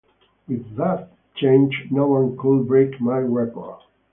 With that change no one could break my record.